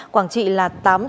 quảng trị là tám trăm linh chín